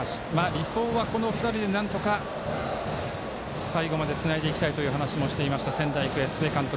理想はこの２人で最後までつないでいきたいという話もしていました仙台育英、須江監督。